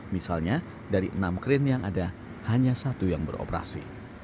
misalnya dari enam kren yang ada hanya satu yang beroperasi